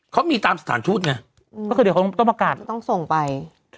เขามีตามสถานชุดไง